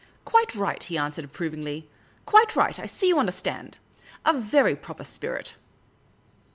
*' Quite right," he answered, approvingly. " Quite right. I see you understand. A very proper spirit